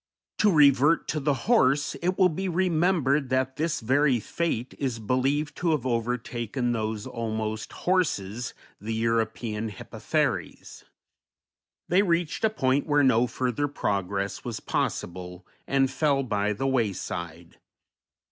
To revert to the horse it will be remembered that this very fate is believed to have overtaken those almost horses the European Hippotheres; they reached a point where no further progress was possible, and fell by the wayside.